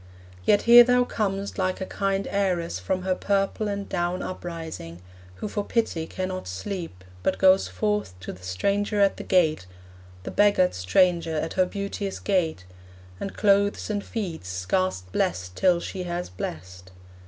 Yet here thou comest Like a kind heiress from her purple and down Uprising, who for pity cannot sleep, But goes forth to the stranger at her gate The beggared stranger at her beauteous gate And clothes and feeds; scarce blest till she has blest.